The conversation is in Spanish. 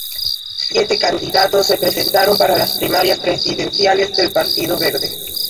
Siete candidatos se presentaron para las primarias presidenciales del Partido Verde.